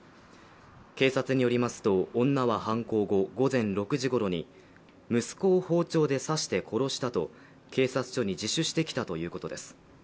警察によりますと女は犯行後、午前６時ごろに息子を包丁で刺して殺したと警察署に自首してきたということです。